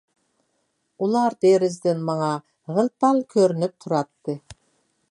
ئۇلار دېرىزىدىن ماڭا غىل-پال كۆرۈنۈپ تۇراتتى.